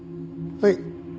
はい。